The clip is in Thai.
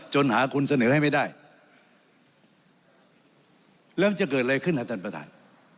หาคุณเสนอให้ไม่ได้แล้วจะเกิดอะไรขึ้นนะท่านประธาน